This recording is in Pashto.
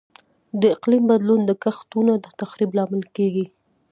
د اقلیم بدلون د کښتونو د تخریب لامل کیږي.